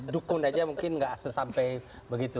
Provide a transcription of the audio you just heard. dukun aja mungkin nggak sesampai begitu